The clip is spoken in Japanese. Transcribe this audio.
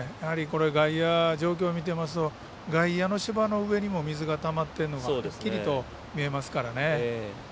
外野、状況を見ていますと外野の芝の上にも水がたまっているのがはっきりと見えますからね。